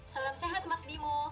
selamat sehat mas wimbo